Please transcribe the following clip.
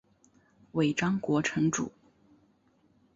尾张国城主。